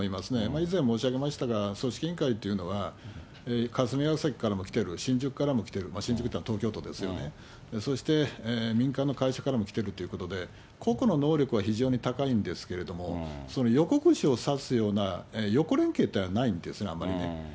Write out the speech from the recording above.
以前、申し上げましたが、組織委員会というのは、霞ケ関からも来てる、新宿からも来てる、新宿というのは東京都ですよね、そして、民間の会社からも来てるということで、個々の能力は非常に高いんですけれども、横くしを刺すような、横連携というのはあんまりないんですね。